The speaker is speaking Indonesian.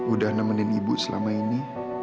udah nemenin ibu selama ini